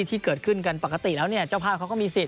ที่เกิดขึ้นกันปกติแล้วเนี่ยเจ้าภาพเขาก็มีสิทธ